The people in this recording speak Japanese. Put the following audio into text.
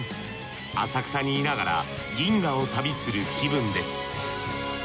浅草にいながら銀河を旅する気分です。